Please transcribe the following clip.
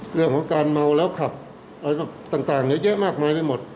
เรื่องของการเมาแล้วขับอะไรต่างเยอะแยะมากมายไปหมด